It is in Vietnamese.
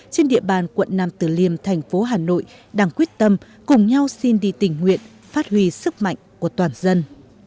trên địa bàn quận nam tử liêm thành phố hà nội đang quyết tâm cùng nhau xin đi tình nguyện phát huy sức mạnh của toàn dân